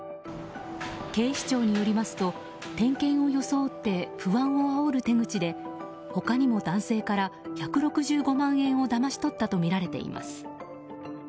警視庁によりますと点検を装って不安をあおる手口で他にも男性から１６５万円をだまし取ったとみられています。